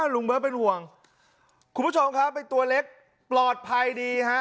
ลุงเบิร์ตเป็นห่วงคุณผู้ชมครับไอ้ตัวเล็กปลอดภัยดีฮะ